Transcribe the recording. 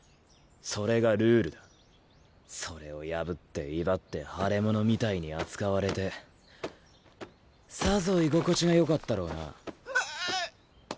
それがルールだそれを破って威張って腫れ物みたいに扱われてさぞ居心地がよかったろうなううっ